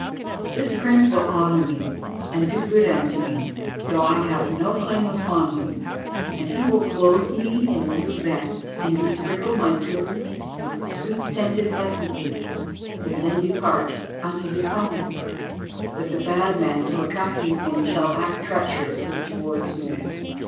"This prince will honour me, and do good unto me, though I have no claim upon him; and he will clothe me in a new vest, and besprinkle my tomb with sweet scented essences, and then depart unto his home. But the bad man who accompanies him shall act treacherously towards me.